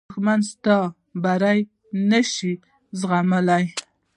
دښمن ستا بری نه شي زغملی